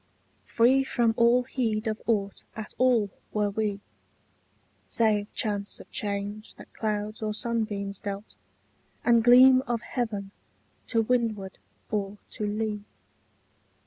Free from all heed of aught at all were we, Save chance of change that clouds or sunbeams dealt And gleam of heaven to windward or to lee.